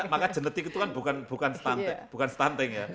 maka genetik itu kan bukan stunting ya